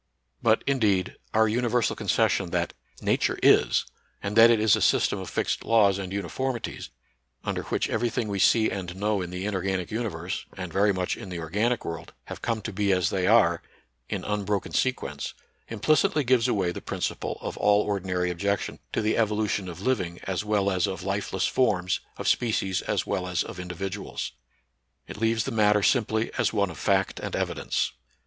But, indeed, our universal concession that Nature is, and that it is a system of fixed laws and uniformities, under which every thing we see and know in the inorganic universe, and very much in the organic world, have come to be as they are, in unbroken sequence, implicitly gives away the principle of all ordinary objec tion to the evolution of living as well as of life less forms, of species as well as of individuals. It leaves the matter simply as one of fact and evidence.